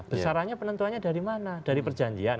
besarannya penentuannya dari mana dari perjanjian